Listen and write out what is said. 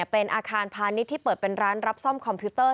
เป็นอาคารพาณิชย์ที่เปิดเป็นร้านรับซ่อมคอมพิวเตอร์